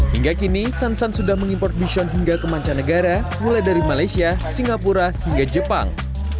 hingga kini sansan sudah mengimpor bison hingga ke mancanegara mulai dari malaysia singapura hingga jepang